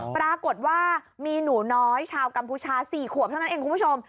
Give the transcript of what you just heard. ปรากฏว่ามีหนูน้อยชาวกัมพูชา๔ขวบเท่านั้นเองคุณผู้ชม